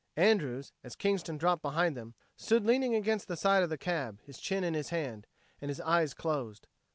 Andrews, as Kingston dropped behind them, stood leaning against the side of the cab, his chin in his hand, and his eyes closed.